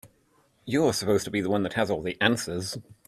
You're supposed to be the one that has all the answers.